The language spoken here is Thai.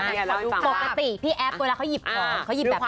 พี่แอนเล่าให้ฟังว่าปกติพี่แอปตัวแล้วเขาหยิบของเขาหยิบแบบไหน